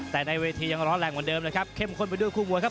แต่ในเวทียังร้อนแรงเหมือนเดิมนะครับเข้มข้นไปด้วยคู่มวยครับ